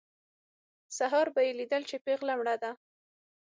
سهار به یې لیدل چې پېغله مړه ده.